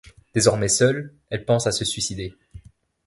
Désormais seule, elle pense à se suicider.